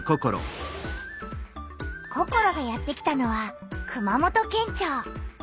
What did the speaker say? ココロがやって来たのは熊本県庁。